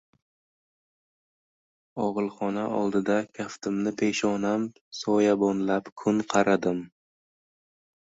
Og‘ilxona oldida kaftimni peshonam soyabonlab kun qaradim.